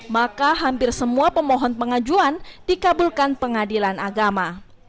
maka hampir semua pemohon pengajuan dikabulkan pengadilan agama